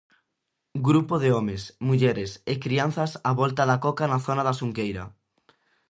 Grupo de homes, mulleres e crianzas á volta da Coca na zona da Xunqueira.